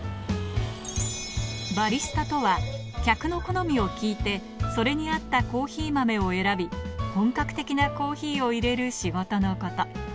バリスタとは、客の好みを聞いて、それに合ったコーヒー豆を選び、本格的なコーヒーをいれる仕事のこと。